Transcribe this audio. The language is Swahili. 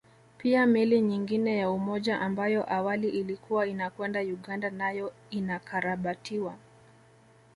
Pia meli nyingine ya Umoja ambayo awali ilikuwa inakwenda Uganda nayo inakarabatiwa